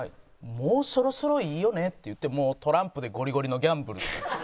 もうそろそろいいよねって言ってトランプでゴリゴリのギャンブル。